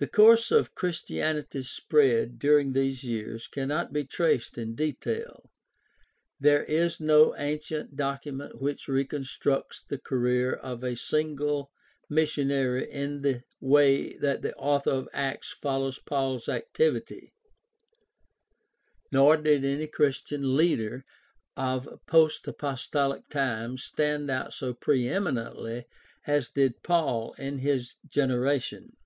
— The course of Christianity's spread during these years cannot be traced in detail. There is no ancient document which reconstructs the career of a single missionary in the way that the author of Acts follows Paul's THE STUDY OF EARLY CHRISTIANITY 291 activity. Nor did any Christian leader of post apostolic times stand out so pre eminently as did Paul in his generation.